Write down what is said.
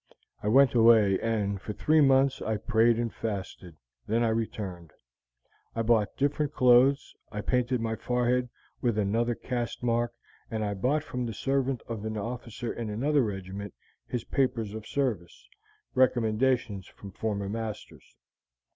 I went away, and for three months I prayed and fasted; then I returned. I bought different clothes, I painted my forehead with another caste mark, then I bought from the servant of an officer in another regiment his papers of service: recommendations from former masters.